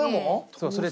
そうそれ。